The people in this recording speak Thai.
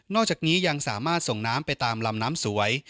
อกจากนี้ยังสามารถส่งน้ำไปตามลำน้ำสวย